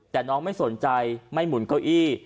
แต่น้องไม่สนใจไม่หมุนเก้าอี้